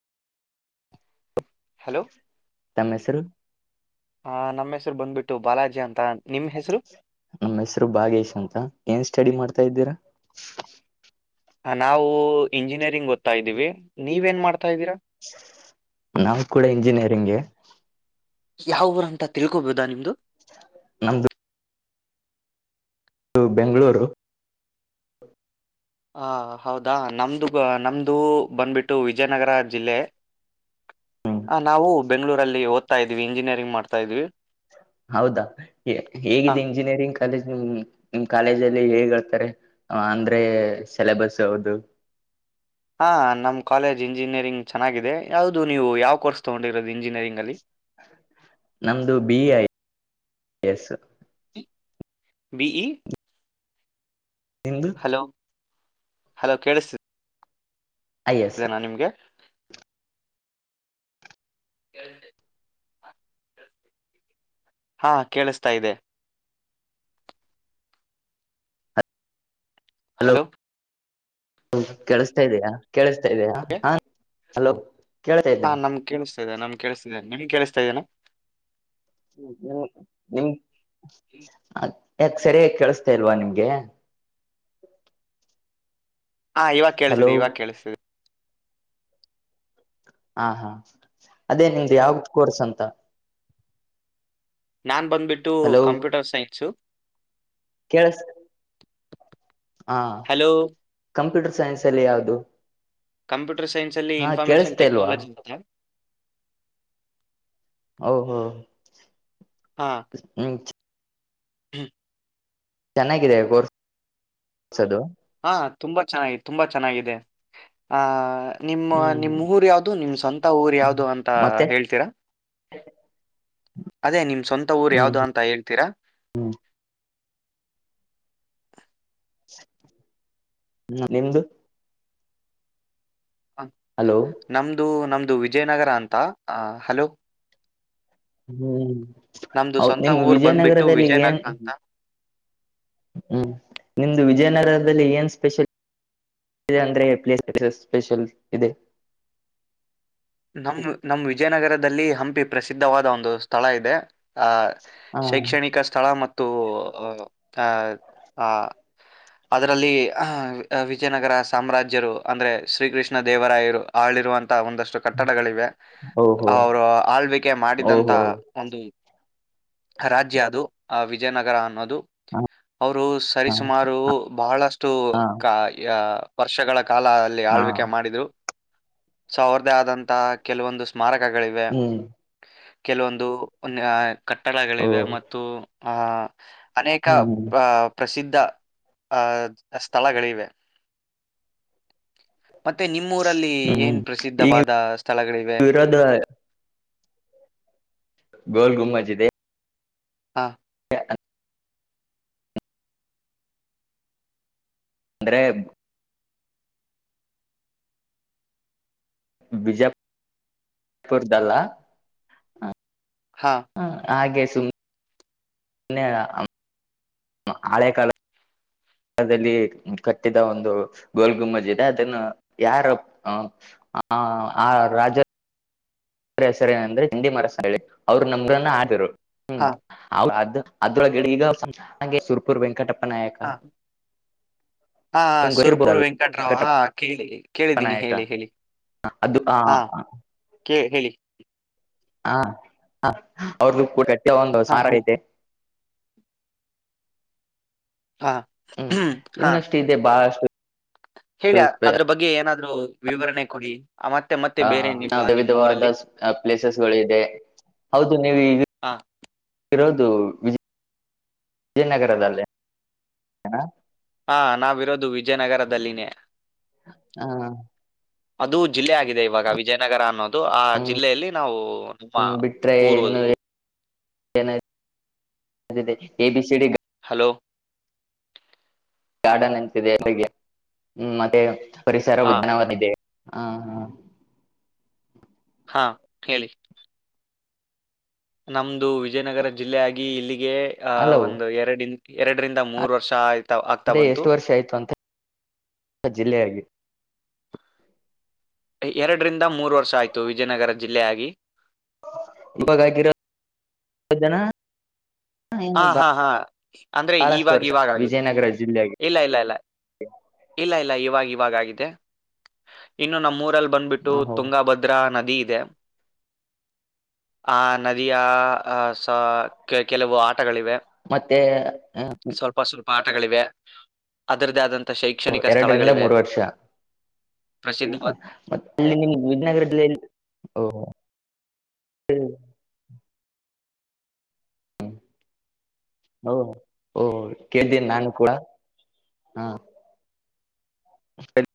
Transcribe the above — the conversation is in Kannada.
ಹಲೋ ನಮ್ಮ ಹೆಸರು ಹ ನಮ್ಮ ಹೆಸರು ಬಂದ್ಬಿಟ್ಟು ಬಾಲಾಜಿ ಅಂತ ನಿಮ್ ಹೆಸರು ನಮ್ಮ ಹೆಸರು ಭಾಗೇಶ್ ಅಂತ ಏನ್ ಸ್ಟಡಿ ಮಾಡ್ತಾ ಇದ್ದೀರಾ ಹ ನಾವು ಇಂಜಿನಿಯರಿಂಗ್ ಓದ್ತಾ ಇದ್ದೀವಿ ನೀವೇನ್ ಮಾಡ್ತಾ ಇದ್ದೀರಾ ನಾವವು ಕೂಡ ಇಂಜಿನಿಯರಿಂಗ್ಗೆ ಯಾವ್ರ ಅಂತ ತಿ ಹೂಬ ಇದದ ನಿ್ದದು ನಮ್ದು ು ಬೆಂಗಳೂರು ಹ ಹೌದಾ ನಮ್ದು ನಮ್ದು ಬಂದ್ಬಿಟ್ಟು ವಿಜಯನಗರ ಜಿಲ್ಲೆ ಹ್ಮ್ ಹ ನಾವು ಬೆಂ್ಗಳೂರಲ್ಲಿ ಓದ್ತಾ ಇದ್ವಿ ಇಂಜಿನಿಯರಿಂಗ್ ಮಾಡ್ತಾ ಇದ್ವಿ ಹೌದಾ ಹೇಗಿದೆ ಇಂಜಿನಿಯರಿಂಗ್ ಕಾಲೇಜ್ಮ ನಿಮ್ ಕಾಲೇಜ್ ಹೇಗ್ ಹೇಳ್ತಾರೆ ಅಂದ್ರೆ ಸಿೆಲೆಬಸ್ ಹೌದು ಹಾಂ ನಮ್ಮ ಕಾಲೇಜ್ ಇಂಜಿನಿಯರಿಂಗ್ ಚೆನ್ನಾಗಿದೆ ಯಾವುದು ನೀವು ಯಾವ ಕೋರ್ಸ್ ತೊಗೊಂಡಿರೋದು ಇಂಜಿನಿಯರಿಂಗಲ್ಲಿ ನಮ್ದು ಬಿ ಐ ಎಸ್ ಬಿಇ ಎ್ದ ಹಲೋ ಹಲೋ ಕೇಳಿಸ್ತೀ ಐ ಎಸ್ ಇದನಾ ನಿಮ್ಗೆ ಎಂಟ ಹಾ ಕೇಳಿಸ್ತಾ ಇದೆ ಹಲೋ ಕೆೇಳಿಸತಾ ಇದಯ ಕೆ ಇದೆಯಾ ಹ ಹಲೋ ಕೇಳ್ತಾ ಇದ್ದ ಹಾ ನಮ್ ಕೇಳಿಸ್ತಿದೆ ನಮ್ ಕಿಸ್ತಿದ್ದೇನೆ ನೀನ್ ಕೇಳಸ್ತಾ ಇದ್ದೇನೆ ಹ್ಮ ಹ್ಮ್ ಹ್ಮ್ ಅ ಯಾಕ ಸರಿಯ ಕೇಳಿಸತಾ ಇಲ್ವಾ ನಿಮ್ಗೆ ಹಾ್ ಇವಾಗ ಕೇಳಿಸಿದೆ ಹಲೋ ಇವಾಗ ಕೇಳಿಸತಿದೆ ಹಾ ಹಾ ಅದೇ ನಿಮ್ದು ಯಾವ್ದ ಕೋರ್ಸ್ ಅಂತ ನಾನ್ ಬಂದ್ಬಿಟ್ಟು ಕಂಪ್ಯೂಟರ್ ಸೈನ್ಸ ಕೆಳ್ಸ ಹಾ ಹಲೋ ಕಂಪ್ಯೂಟರ್ ಸೈನ್ಸ್ ಅಲ್ಲಿ ಯಾವುದು ಕಂಪ್ಯೂಟರ್ ಸೈನ್ಸ ಅಲ್ಲಿ ಇನ್ಫಾರ್ಮೇಶನ್ ಇಲ್ವಾ ಟೆಕ್ನಾಲಜಿ ಅಂತದ ಓ ಹೋ ಹ್ಮ ಹ್ಮ ಚೆನ್ನಾಗಿದೆ ಕೋರ್ಸ್ ಕೋಸದು ಹಾ ತುಂಬಾ ಚೆನ್ನ ತುಂಬಾ ಚೆನ್ನಾಗಿದೆ ಆ ನಿಮ್ಮ ಹ್ಮ್ ನಿಮ್ಮ ಊರು ಯಾವವು್ದು ನಿಮ್ಮ್ ಸ್ವಂತ ಊರು ಯಾವವು್ದ ಅಂತ ಮತ್ತೆ ಹೇಳ್ತೀರಾ ಅದೇ ನಿಮ್ ಸ್ವಂತ ಊರ್ ಹ್ಮ್ ಯಾವ್ದ ಅಂತ ಹೇಳ್ತೀರಾ ಹ್ಮ್ ಹ್ಮ್ ನಿ್ದು ಹ ಹಲೋ ನಮ್ದು ನಮ್ದ ಇದು ವಿಜಯನಗರ ಅಂತ ಹಲೋ ಹ್ಮ್ ನಮ್ದು ಹೌದು ಸ್ವಂತ ನಿಮ ಊರ್ ಬಂದ್ಬಿಟ್ಟು ವಿಜಯನಗರದಲ್ಲಿ ಏನ್ ವಿಜಯನಗರ ಅಂತ ಹ್ಮ ನಿಮ್ದು ವಿಜಯ ಕನ್ನಡರದಲ್ಲಿ ಏನ್ ಸ್ಪೆಷಲ್ ಇದೆ ಅಂದ್ರೆ ಪಲೇ ಸ್ಪೆಷಲ್ ಇದೆ ನಮ್ಮ ನಮ್ಮ ವಿಜಯನಗರದಲ್ಲಿ ಹಂಪಿ ಪ್ರಸಿದ್ಧವಾದ ಒಂದು ಸ್ಥಳ ಇದೆ ಆಹ್ ಹ ಶೈಕ್ಷಣಿಕ ಸ್ಥಳ ಮತ್ತು ಅಹ ಅ್ ಆ ಅದರಲ್ಲಿ ವಿಜಯನಗರ ಸಾಮ್ರಾಜ್ಯರು ಅಂದ್ರೆ ಶ್ರೀಕೃಷ್ಣ ದೇವರಾಯರು ಆಳಿರುವಂತಹ ಒಂದ ಕಟ್ಟಡಗಳಿವೆ ಓಹೋ ಅವರು ಆಳ್ವಿಕೆ ಮಾಡಿದಂತ ಓಹೋ ಒಂದು ರಾಜ್ಯ ಅದು ಆ ವಿಜಯನಗರ ಅನ್ನೋದು ಹ ಅವರು ಸರಿಸುಮಾರು ಬಹಳಷ್ಟು ಹಾ ಕ ಯಾ ವರ್ಷಗಳ ಕಾಲ ಅಲ್ಲಿ ಹಾ ಆಳ್ವಿಕೆ ಮಾಡಿದ್ರು ಸಾವಿರ್ದ ಆದಂತ ಕೆಲವೊಂದು ಸ್ಮಾರಕ ಗಳಿವೆ ಹ್ಮ್ ಕೆಲವೊಂದು ಓ ಕಟ್ಟಡಗಳಿವೆ ಮತ್ತು ಆ ಅನೇಕ ಹ್ಮ್ ಅ ಪ್ರಸಿದ್ಧ. ಆ ಸ್ಥಳಗಳಿವೆ. ಮತ್ತೆ ನಿಮ್ಮೂಊರಲ್ಲಿ ಏನ್ ಪ್ರಸಿದ್ಧವಾದ. ಸ್ಥಳಗಳಿವೆ ವಿರೋಧ. ಗೋಲ್ ಗುಮಜದೆ ಹಾ. ಅಂದ್ರೆ ಬಿಜಾಪಪುರ್ದಲ್ಲ ಹಾ ಹಾಗೆ ಸುಮ್ಮ. ಮನ್ನ ಹಳೆಕಾಲದಲ್ಲಿ ಕಟ್ಟಿದ ಒಂದು ಗೋಲ್ಗುಂಬಜ್ಜಿದೆ ಅದನ್ನು ಯಾರ ಆ ಆ ರಾಜ. ಸರಿಸರಿ ಏನಂದ್ರೆ ತಿಂಡಿ ಮರಸ ಹೇಳಿ ಅವ್ರರು ನಂಬ್ರನ್ನ ಆ್ರು. ಹ್ಮ್ ಹಾ ಅದು ಅದ್ರೊಳಡೆ ಈಗ ಸುರ್ಪುರ್ ವೆಂಕಟಪ್ಪ. ಅನಾಯಕ ಹಾ ಹಾ ಸುರ್ಪುರ್ ವೆಂಕಟರಾವ್ ಹ ವೆಂಕಟಪ್ಪ ಕೇಳಿ ಕೇಳಿದ್ದೀನಿ ನಾಯಕ ಹೇಳಿ ಹೇಳಿ ಅದು ಆ ಹಾ ಕೇಳಿ. ಹೇಳಿ. ಹಾ ಅವ್ರ್ದು ಕಊಟ ಒಂದು ಹಾ ಸಾರ ಹೇಳಿ ರಐತೆ. ಹಾ ಹ್ಮ್ ಇನ್ನಷ್ಟು ಇದೆ ಬಾಳಷ್ಟು. ಹೇಳಿಯ ಅದ್ರ ಬಗ್ಗೆ ಏನಾದ್ರು. ವಿವರಣೆ ಕೊಡಿ. ಆ, ಮತ್ತೆ ಮತ್ತೆ ಹಾ ಬೇರೆ ನಾ ಏನಿಲ್ವಾ ನಿಮ್ಮ ವಿವಿಧವಾದ ಊರಲ್ಲಿ ಪ್ಲೇಸಸ್ಗಳು ಇಿದೆ ಹೌದು ನೀವು. ಹಾ ಇರೋದು ವಿಜಯ ವಿಜಯನಗರದಲ್ಲಿ. ಹಾ ನಾವಿರೋದು ವಿಜಯನಗರದಲ್ಲಿನೇ. ಹಾ. ಅದು ಜಿಲ್ಲೆ ಆಗಿದೆ ಇವಾಗ ವಿಜಯನಗರ ಅನ್ನೋದು. ಆ ಹ್ಮ್ ಜಿಲ್ಲೆಯಲ್ಲಿ ನಾವು ನಿಮ್ಮ ಬಿಟ್ರೆ ಊರುವುದು. ಅದೇ ಅದ ಎ ಬಿ ಸಿ ಡಿ ಲ. ಗಾರ್ಡನ್ ಎಂತಿದೆ ಹ್ಮ ಮತ್ತೆ. ಪರಿಸರ ಹಾ ಉದ್ಞನವನಿದೆ. ಹಾ ಹಾ. ಹಾ ಹೇಳಿ. ನಮ್ದು ವಿಜಯನಗರ ಜಿಲ್ಲೆಯಾಗಿ ಇಲ್ಲಿಗೆ. ಆ ಹಲವು ಒಂದು ಎರಡ. ಎರಡರಿಂದ ಮೂರು ವರ್ಷ ಆಯ್ತು ಅದೇ ಎಷ್ಟು ವರ್ಷ ಆಯ್ತು ಅಂತ ಜಿಲ್ಲೆ ಆಗ ಎರಡರಿಂದ ಮೂರು ವರ್ಷ ಆಯ್ತು ವಿಜಯನಗರ ಜಿಲ್ಲೆಯ ಆಾಗಿಿ ಇವಾಗಾಗಿರೋ ಜನ ಏನು ಹಾ ಹಾ ಹಾ ಅಂದ್ರೆ ಬಹಳಷ್ಟು ಇವಾಗ ವರ್ಷ ಇವಾಗ ಆಗು ವಿಜಯನಗರ ಜಿಲ್ಲೆಯಾಗಿ ಇಲ್ಲ ಇಲ್ಲ ಇಲ್ಲ ಇಲ್ಲ ಇಲ್ಲ ಇವಾಗ ಇಾಗಾಗಿದೆ ಇನ್ನು ನಮ್ಮ್ೂರಲ್ಲಿ ಬಂದ್ಬಿಟ್ಟು ಓಹೋ ತುಂಗಾಭದ್ರಾ ನದಿ ಇದೆ ಆ ನದಿಯ ಕೆಲವು ಆಟ ಮತ್ತೆ ಹ ಗಳಿವೆ ಅದರದ್ದೇ ಆದಂತ ಓ ಎರಡರಿಂದ ಮೂರು ವರ್ಷ ಪ್ರಸಿದ್ಧವಾದ ಮ ಅಲ್ಲಿ ನಿಮ ವಿಜನಗರದಲ್ಲಿ ಓ ಹ್ಮ ಓ ಓ ಕೇೇಳ್ದೇನಿ ನಾನು ಕೂಡ ಹಾ ಸರಿ